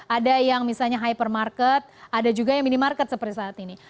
ada yang misalnya hypermarket ada juga yang minimarket seperti saat ini